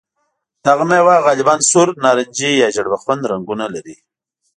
دغه مېوه غالباً سور، نارنجي یا ژېړ بخن رنګونه لري.